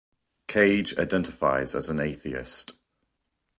Cage identifies as an atheist.